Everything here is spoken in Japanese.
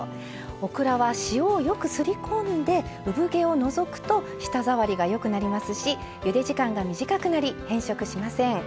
オクラは塩をよくすりこんでうぶ毛を除くと舌触りがよくなりますしゆで時間が短くなり変色しません。